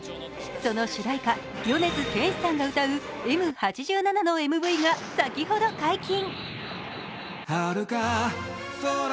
その主題歌、米津玄師さんが歌う「Ｍ八七」のＭＶが先ほど解禁。